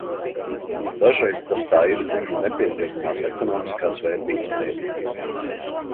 Dažreiz tas tā ir zivju nepietiekamās ekonomiskās vērtības dēļ.